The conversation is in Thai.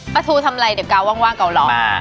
ปะทูทำไรเดี๋ยวเกาว่างก็ล้อมา